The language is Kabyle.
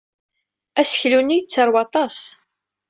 Aseklu-nni yettarew aṭas.